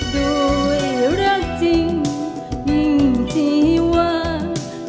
ด้วยรักจริงยิ่งที่หวัง